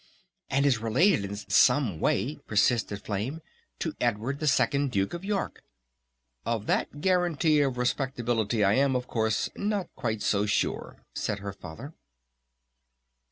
"And is related in some way," persisted Flame, "to Edward the 2nd Duke of York." "Of that guarantee of respectability I am, of course, not quite so sure," said her Father.